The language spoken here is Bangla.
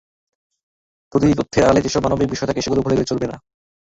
প্রতিটি তথ্যের আড়ালে যেসব মানবিক বিষয় থাকে, সেগুলো ভুলে গেলে চলবে না।